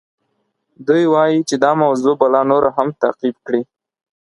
دوی وایي چې دا موضوع به لا نوره هم تعقیب کړي.